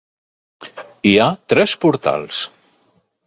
Hi ha tres portals.